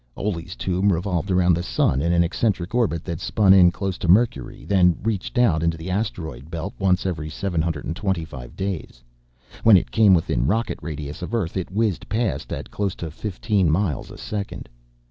Oley's tomb revolved around the sun in an eccentric orbit that spun in close to Mercury, then reached out into the asteroid belt, once every 725 days. When it came within rocket radius of Earth, it whizzed past at close to fifteen miles a second.